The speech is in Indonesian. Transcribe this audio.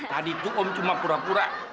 tadi itu om cuma pura pura